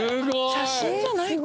写真じゃないの？